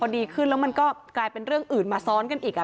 ดีขึ้นแล้วมันก็กลายเป็นเรื่องอื่นมาซ้อนกันอีก